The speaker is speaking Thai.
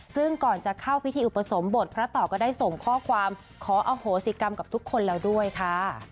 ซึ่งก่อนจะเข้าพิธีอุปสมบทพระต่อก็ได้ส่งข้อความขออโหสิกรรมกับทุกคนแล้วด้วยค่ะ